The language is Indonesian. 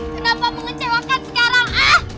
kenapa mengecewakan sekarang